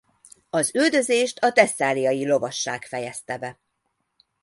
Az üldözést a thesszáliai lovasság fejezte be.